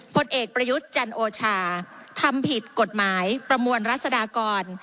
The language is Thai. ผลเอกประยุทธ์จันโอชาทำผิดกฎหมายประมวลรัศดากร